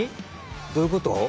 どういうこと？